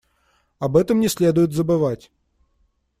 Об этом не следует забывать.